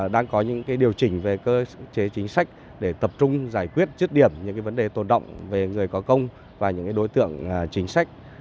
đang có những cái điều chỉnh về cơ chế chính sách để tập trung giải quyết chứt điểm những cái vấn đề tồn động về người có công và những cái đối tượng chính sách